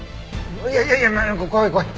いやいやいや怖い怖い！